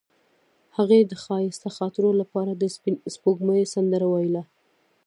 هغې د ښایسته خاطرو لپاره د سپین سپوږمۍ سندره ویله.